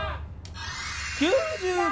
９５！？